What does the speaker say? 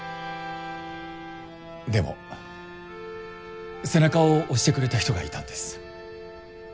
でも背中を押してくれた人がいたんです。